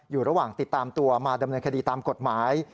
อยู่ระหว่างติดตามตัวมาดำเนินคดีตามกฎหมาย